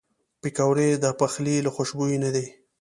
پکورې د پخلي له خوشبویو نه دي